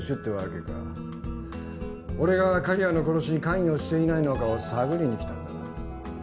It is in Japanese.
俺が刈谷の殺しに関与していないのかを探りに来たんだな。